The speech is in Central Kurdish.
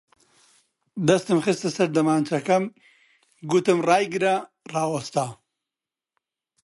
دەستم خستە سەر دەمانچەکەم، گوتم ڕایگرە! ڕاوەستا